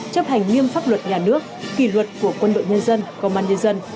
chấp hành nghiêm pháp luật nhà nước kỷ luật của quân đội nhân dân công an nhân dân